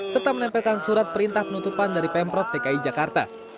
serta menempelkan surat perintah penutupan dari pemprov dki jakarta